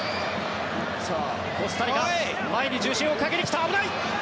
コスタリカ前に重心をかけに来た、危ない！